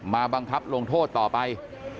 มาบังคับลงโทษต่อไป